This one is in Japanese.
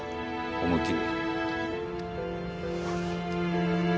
思いっきり。